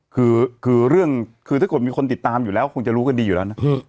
คือเรื่องคือถ้าเกิดมีคนติดตามอยู่แล้วคงจะรู้กันดีอยู่แล้วนะ